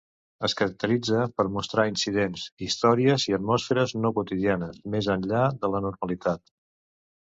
Es caracteritza per mostrar incidents, històries i atmosferes no quotidianes, més enllà de la normalitat.